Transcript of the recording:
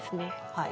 はい。